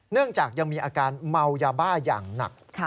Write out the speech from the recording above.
เนื่องจากยังมีอาการเมายาบ้าอย่างหนัก